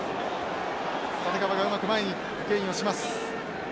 立川がうまく前にゲインをします。